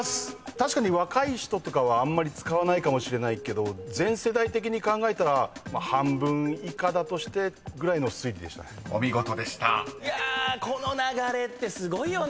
確かに若い人とかはあんまり使わないかもしれないけど全世代的に考えたらまあ半分以下だとしてぐらいの推理でしたね。